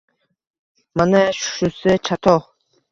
Mana shusi chatoq